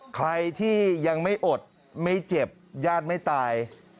ใครที่ยังไม่อดไม่เจ็บญาติไม่ตาย